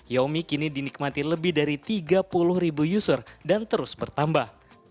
yaomi kini dinikmati lebih dari tiga puluh ribu user dan terus bertambah